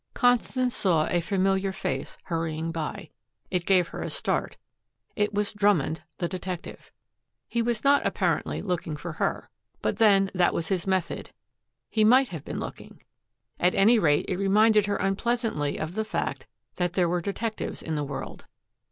Constance saw a familiar face hurrying by. It gave her a start. It was Drummond, the detective. He was not, apparently, looking for her. But then that was his method. He might have been looking. At any rate it reminded her unpleasantly of the fact that there were detectives in the world.